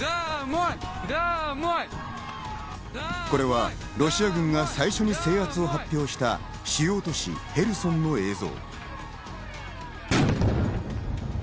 これはロシア軍が最初に制圧を発表した主要都市ヘルソンの映像。